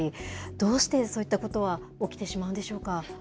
どうしてそういったことは起きてしまうんでしょうか？